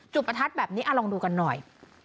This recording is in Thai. ประทัดแบบนี้ลองดูกันหน่อย